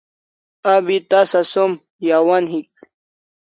Abi tasa som yawan hik